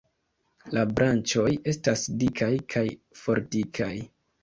La branĉoj estas dikaj kaj fortikaj.